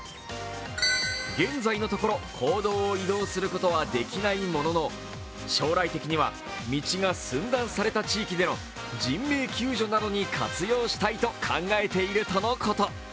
現在のところ、公道を移動することはできないものの将来的には道が寸断された地域での人命救助などに活用したいと考えているとのこと。